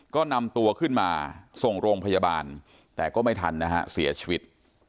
ก็นำตัวขึ้นมาส่งโรงพยาบาลแต่ก็ไม่ทันนะฮะเสียชีวิต